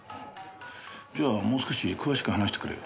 じゃあもう少し詳しく話してくれよ。